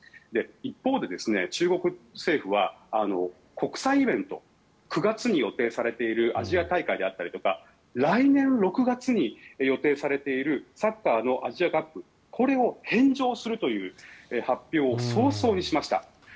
一方で中国政府は、国際イベント９月に予定されているアジア大会であったりとか来年６月に予定されているサッカーのアジアカップ。これを返上するという発表を早々にしました。